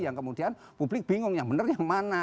yang kemudian publik bingung yang benar yang mana